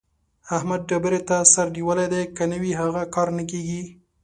احمد ډبرې ته سر نيولی دی؛ که نه وي هغه کار نه کېږي.